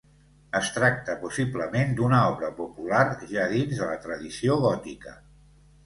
Es tracta possiblement d'una obra popular ja dins de la tradició gòtica.